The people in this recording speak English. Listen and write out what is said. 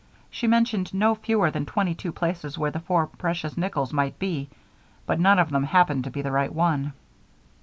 She mentioned no fewer than twenty two places where the four precious nickels might be, but none of them happened to be the right one.